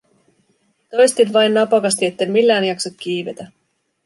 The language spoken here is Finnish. Toistin vain napakasti, etten millään jaksa kiivetä.